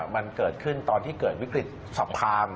มันเกิดขึ้นตอนที่เกิดวิกฤตสะพาน